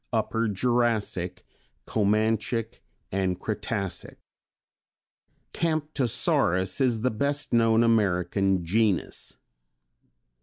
Upper Jurassic, Comanchic and Cretacic. Camptosaurus is the best known American genus.